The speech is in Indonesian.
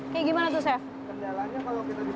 kayak gimana tuh chef